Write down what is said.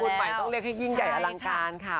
ใหม่ต้องเรียกให้ยิ่งใหญ่อลังการค่ะ